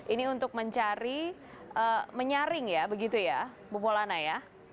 ini untuk mencari menyaring ya begitu ya bu polana ya